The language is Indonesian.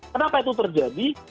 kenapa itu terjadi